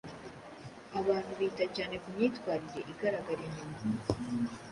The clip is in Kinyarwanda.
Abantu bita cyane ku myitwarire igaragara inyuma,